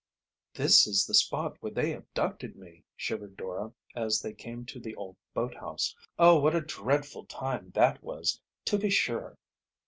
"This is the spot where they abducted me," shivered Dora, as they came to the old boathouse. "Oh, what a dreadful time that was, to be sure!"